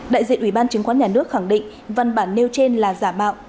đại diện ủy ban chứng khoán nhà nước khẳng định văn bản nêu trên là giả mạo